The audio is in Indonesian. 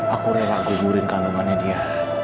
aku rela gugurin kandungannya dia